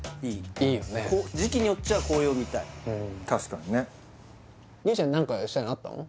確かにね何かしたいのあったの？